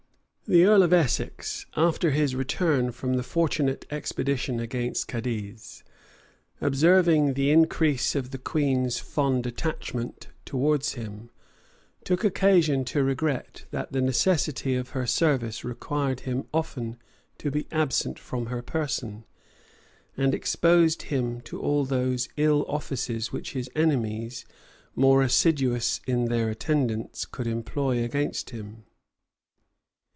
The earl of Essex, after his return from the fortunate expedition against Cadiz, observing the increase of the queen's fond attachment towards him, took occasion to regret, that the necessity of her service required him often to be absent from her person, and exposed him to all those ill offices which his enemies, more assiduous in their attendance, could employ against him.